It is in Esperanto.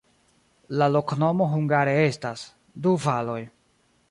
La loknomo hungare estas: du valoj.